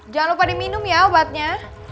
jangan lupa diminum ya obatnya